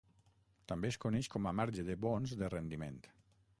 També es coneix com a marge de bons de rendiment.